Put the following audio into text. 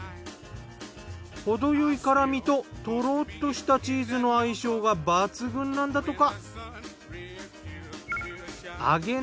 ほどよい辛味ととろっとしたチーズの相性が抜群なんだとか。